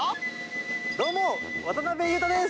どうも、渡辺裕太です。